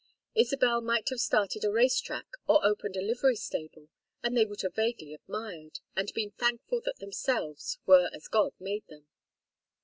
Isabel might have started a race track or opened a livery stable and they would have vaguely admired, and been thankful that themselves were as God made them.